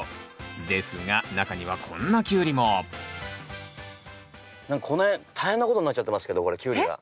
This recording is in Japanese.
ですが中にはこんなキュウリもこの辺大変なことになっちゃってますけどこれキュウリが。